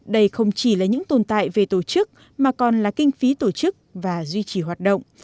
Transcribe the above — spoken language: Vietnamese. đây không chỉ là những tồn tại về tổ chức mà còn là kinh phí tổ chức và duy trì hoạt động